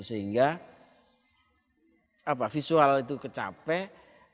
sehingga visual itu kecapek